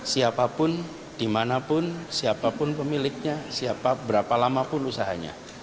siapapun dimanapun siapapun pemiliknya siapa berapa lamapun usahanya